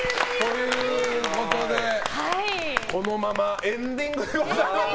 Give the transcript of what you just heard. このままエンディングでございます。